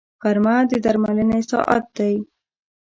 غرمه د درملنې ساعت دی